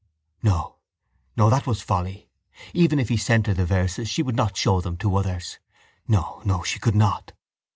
No, no; that was folly. Even if he sent her the verses she would not show them to others. No, no; she could not.